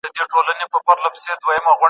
ولې ملي سوداګر کیمیاوي سره له چین څخه واردوي؟